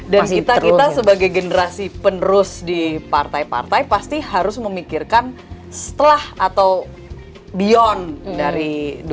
dan kita sebagai generasi penerus di partai partai pasti harus memikirkan setelah atau beyond dari dua ribu sembilan belas